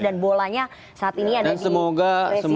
dan bolanya saat ini ada di presiden